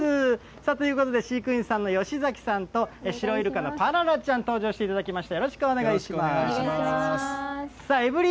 ということで飼育員さんの吉崎さんと、シロイルカのパララちゃん、登場していただきました。